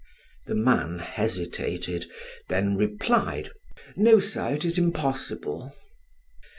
The man hesitated, then replied: "No, sir, it is impossible."